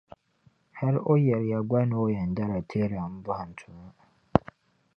Hali o yɛliya gba ni o yɛn dala teela m-bɔhim tuma.